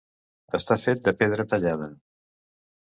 Està fet de pedra tallada.